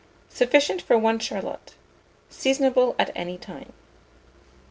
Sufficient for 1 charlotte. Seasonable at any time.